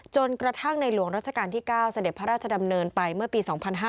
จนกระทั่งในหลวงราชการที่๙เสด็จพระราชดำเนินไปเมื่อปี๒๕๕๙